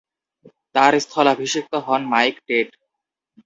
তার স্থলাভিষিক্ত হন মাইক টেট।